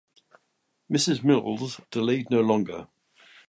Mrs. Mills delayed no longer.